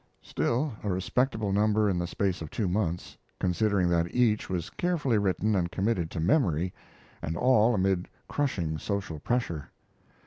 Still, a respectable number in the space of two months, considering that each was carefully written and committed to memory, and all amid crushing social pressure.